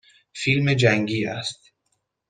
فیلم جنگی است.